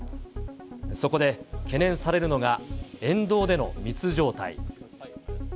そこで懸念されるのが、沿道での密状態。